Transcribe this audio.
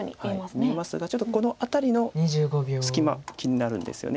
見えますがちょっとこの辺りの隙間気になるんですよね。